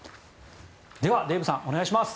ではデーブさんお願いします。